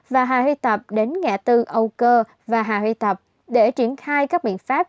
và hà huy tập đến ngã tư âu cơ và hà huy tập để triển khai các biện pháp